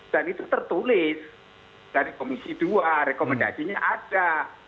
dan itu tertulis dari komisi dua rekomendasi nya ada